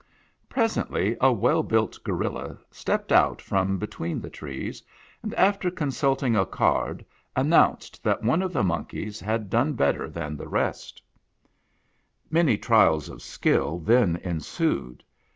Presently a well built gorilla stepped out from between the trees, and, after consulting a card, an nounced that one of the monkeys had done better than the rest. "gentlemen, the judges have decided ..." Many trials of skill then ensued.